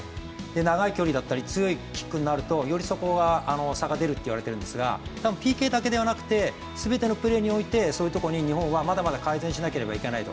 長い距離だったり強いキックになるとよりそこに差が出ると言われてるんですが多分ＰＫだけではなくて全てのプレーにおいてそういうところに日本はまだまだ改善しなければいけないと。